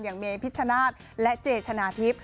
อย่างเมพิชชนาชและเจชชนะทิป